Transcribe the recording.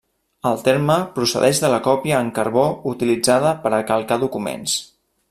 El terme procedeix de la còpia en carbó utilitzada per a calcar documents.